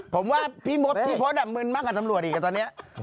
ผมว่าพี่มดพี่พศมึนมากกว่าตำรวจอีกตอนนี้